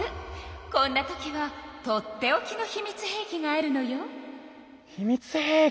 こんなときはとっておきの秘密兵器があるのよ。